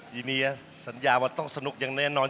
ีเนียสัญญาว่าต้องสนุกอย่างแน่นอน